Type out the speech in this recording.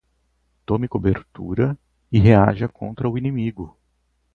Tome cobertura e reaja contra o inimigo